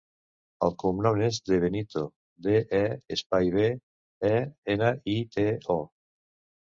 El cognom és De Benito: de, e, espai, be, e, ena, i, te, o.